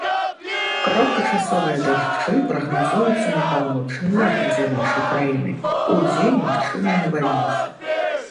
Кароткачасовыя дажджы прагназуюцца на паўночным захадзе нашай краіны, удзень магчымыя навальніцы.